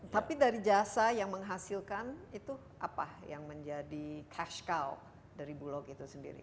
tapi dari jasa yang menghasilkan itu apa yang menjadi cashcow dari bulog itu sendiri